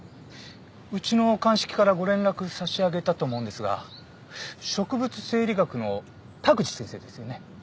うちの鑑識からご連絡差し上げたと思うんですが植物生理学の田口先生ですよね？